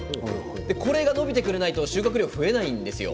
これが伸びてくれないと収穫量が増えないんですよ。